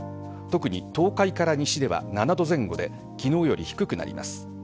特に東海から西では、７度前後で昨日より低くなります。